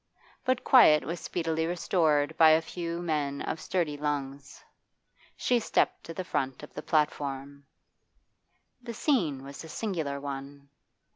But quiet was speedily restored by a few men of sturdy lungs. She stepped to the front of the platform. The scene was a singular one.